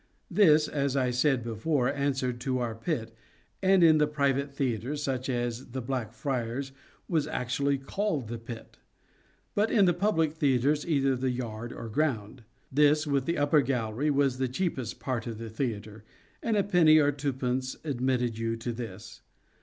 This, as I said before, answered to our pit, and in the private theatres, such as The Black Friars, was actually called the pit ; but in the public theatres either the yard or ground. This, with the upper gallery, was the cheapest part of the theatre, and a penny or twopence admitted you to this.